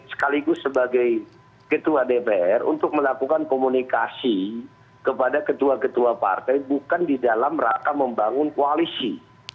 sekaligus sebagai ketua dpr untuk melakukan komunikasi kepada ketua ketua partai bukan di dalam rangka membangun koalisi